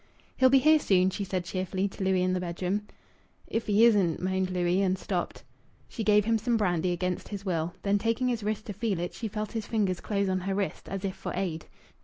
"He'll be here soon," she said cheerfully, to Louis in the bedroom. "If he isn't " moaned Louis, and stopped. She gave him some brandy, against his will. Then, taking his wrist to feel it, she felt his fingers close on her wrist, as if for aid.